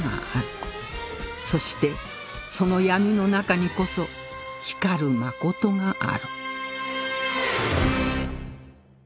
そしてその闇の中にこそ光る真がある